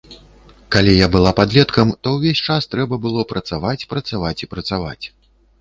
Калі я была падлеткам, то ўвесь час трэба было працаваць, працаваць і працаваць.